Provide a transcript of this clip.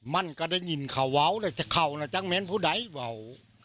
มันก็ได้ยินเกาเวาแต่จะเกานะจังแมนเพราะใดเกา